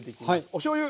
おしょうゆ。